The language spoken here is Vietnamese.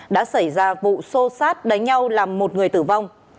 đã xảy ra vụ xô xát đánh nhau làm một người tử vong